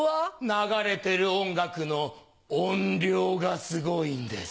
流れてる音楽のオンリョウがすごいんです。